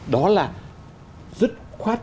đó là dứt khoát